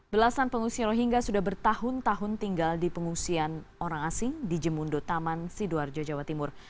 belasan pengungsi rohingya sudah bertahun tahun tinggal di pengungsian orang asing di jemundo taman sidoarjo jawa timur